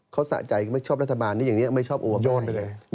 เขาสะใจไม่ชอบรัฐบาลนี้อย่างนี้ไม่ชอบอวบยอดไปเลย